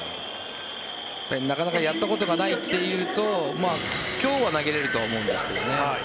なかなかやったことがないというと今日は投げられると思うんですけどね